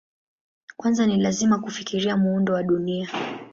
Kwanza ni lazima kufikiria muundo wa Dunia.